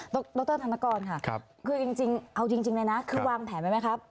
ดรธนกรค่ะคือเอาจริงนะนะคือวางแผนไหมครับ